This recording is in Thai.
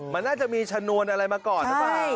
มันน่าจะมีชนวนอะไรมาก่อนหรือเปล่า